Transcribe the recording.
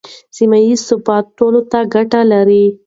سیمه ییز ثبات ټولو ته ګټه لري.